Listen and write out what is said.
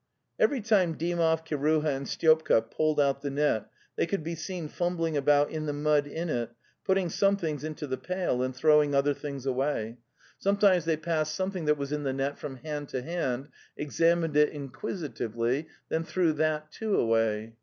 " Every time Dymoy, Kiruha and Styopka pulled out the net they could be seen fumbling about in the mud in it, putting some things into the pail and throwing other things away; sometimes they passed The Steppe 233 something that was in the net from hand to hand, examined it inquisitively, then threw that, too, away.